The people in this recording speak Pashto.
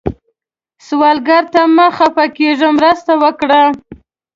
سوالګر ته مه خفه کېږئ، مرسته وکړئ